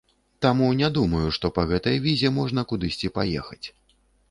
Таму не думаю, што па гэтай візе можна кудысьці паехаць.